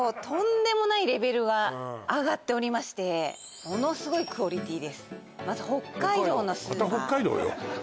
とんでもないレベルが上がっておりましてものすごいクオリティですまず北海道のスーパーまた北海道よ